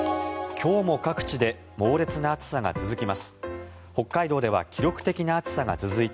今日も各地で猛烈な暑さが続きます。